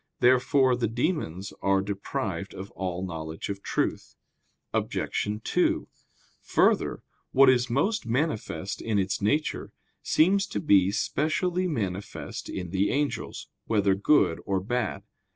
Therefore the demons are deprived of all knowledge of truth. Obj. 2: Further, what is most manifest in its nature, seems to be specially manifest to the angels, whether good or bad.